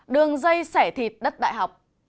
đường dây sẻ thịt đất đại học